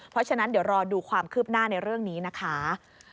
เพราะฉะนั้นเดี๋ยวรอดูความคืบหน้าในเรื่องนี้นะคะ